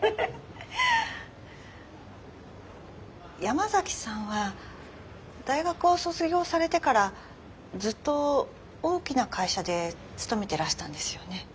山崎さんは大学を卒業されてからずっと大きな会社で勤めてらしたんですよね？